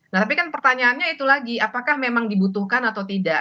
nah tapi kan pertanyaannya itu lagi apakah memang dibutuhkan atau tidak